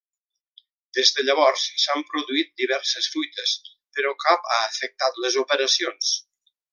Des de llavors, s'han produït diverses fuites, però cap ha afectat les operacions.